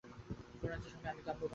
শুনছেন সবাই, আমি গাম্বো বানিয়েছি!